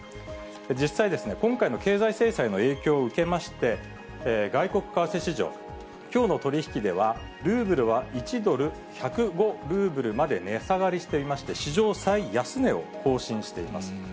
実際、今回の経済制裁の影響を受けまして、外国為替市場、きょうの取り引きではルーブルは１ドル１０５ルーブルまで値下がりしていまして、史上最安値を更新しています。